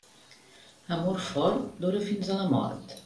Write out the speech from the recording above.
Amor fort dura fins a la mort.